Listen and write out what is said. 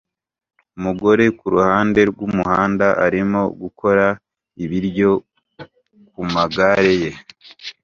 Umugore kuruhande rwumuhanda arimo gukora ibiryo kumagare ye